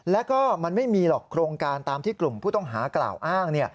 แล้วก็มันไม่มีหรอกโครงการตามที่กลุ่มผู้ต้องหากล่าวอ้าง